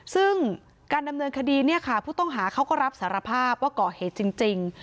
ซึ่งการดำเนินคดีเนี่ยค่ะผู้ต้องหาเขาก็รับสารภาพว่าก่อเหตุจริง